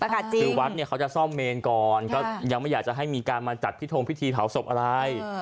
คือวัดเนี่ยเขาจะซ่อมเมนก่อนก็ยังไม่อยากจะให้มีการมาจัดพิทงพิธีเผาศพอะไร